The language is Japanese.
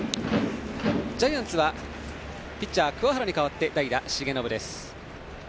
ジャイアンツはピッチャー鍬原に代わって代打、重信です。